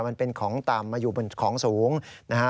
มันเป็นของต่ำมันอยู่บนของสูงนะฮะ